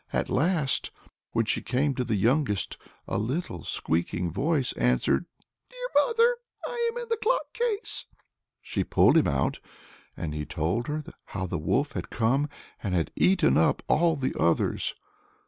At last, when she came to the youngest, a little squeaking voice answered, "Dear mother, I am in the clock case." She pulled him out, and he told her how the wolf had come and had eaten up all the others.